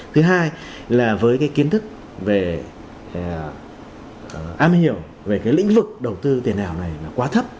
thứ hai là với cái kiến thức về am hiểu về cái lĩnh vực đầu tư tiền ảo này là quá thấp